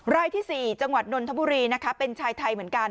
รายที่๔จังหวัดนนทบุรีนะคะเป็นชายไทยเหมือนกัน